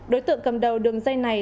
đối tượng cầm đầu đường dây này